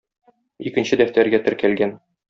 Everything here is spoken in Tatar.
Икенче дәфтәргә теркәлгән.